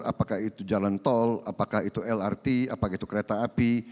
apakah itu jalan tol apakah itu lrt apakah itu kereta api